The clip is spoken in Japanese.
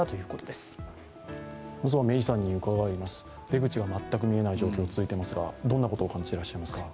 出口は全く見えない状況が続いていますが、どんなことを感じていらっしゃいますか。